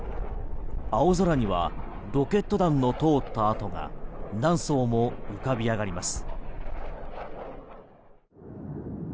青空にはロケット弾の通った跡が何層も浮かび上がります。